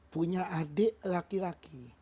punya adik laki laki